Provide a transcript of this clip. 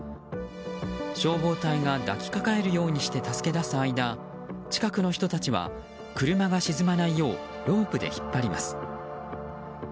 消防隊が抱きかかえるようにして助け出す間近くの人たちは車が沈まないようロープで引っ張ります。